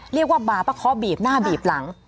เรียกว่าบาปะ๑๘๐๐หน้าบีบหลัง